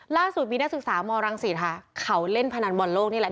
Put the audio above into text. ล่าสุดมีนักศึกษามรังสิตค่ะเขาเล่นพนันบอลโลกนี่แหละ